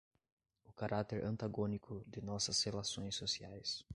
o caráter antagônico de nossas relações sociais